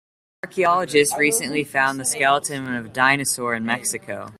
Archaeologists recently found the skeleton of a dinosaur in Mexico.